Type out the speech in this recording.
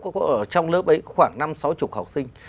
ở trong lớp ấy khoảng năm sáu mươi học sinh